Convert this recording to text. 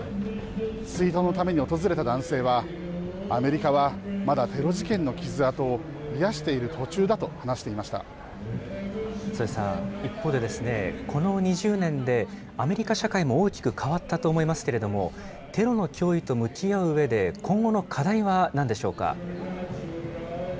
追悼のために訪れた男性は、アメリカはまだテロ事件の傷痕を癒やしている途中だと話していま添さん、一方でですね、この２０年で、アメリカ社会も大きく変わったと思いますけれども、テロの脅威と向き合ううえで、今後の課題はなんでしょうか。